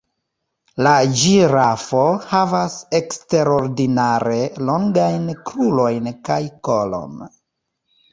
La ĝirafo havas eksterordinare longajn krurojn kaj kolon.